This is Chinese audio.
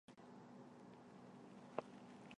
战场上通常将其以气溶胶的方式施放。